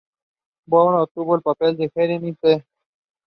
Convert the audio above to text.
These include topological abelian groups and topological vector spaces.